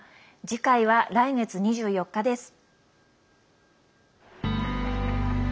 次回は来月２４日です。